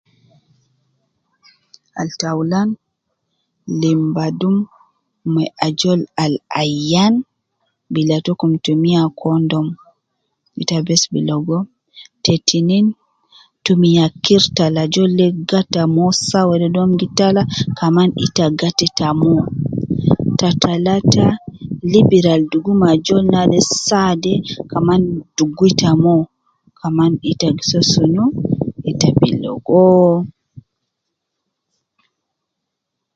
Al taulan lim badum na ajol al ayan bila takum tumiya condom ita bes bi logo, te tinin tumiya kirta al ajol de gata mo saa wde dom gi tala kaman ita gata ita mo, ta talata libira al dugu ne ajol de saade kaman dugu ita mo, kaman ita bi soo sunu, ita bi logo